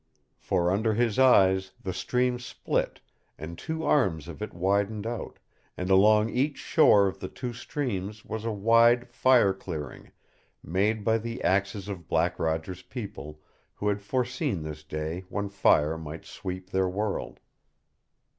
For under his eyes the stream split, and two arms of it widened out, and along each shore of the two streams was a wide fire clearing made by the axes of Black Roger's people, who had foreseen this day when fire might sweep their world.